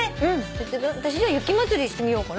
私「雪まつり」にしてみようかな。